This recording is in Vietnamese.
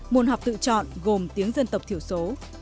môn học tự chọn gồm tiếng dân tộc thiểu số